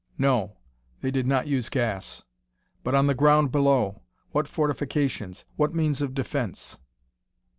No. They did not use gas. _But on the ground below what fortifications? What means of defense?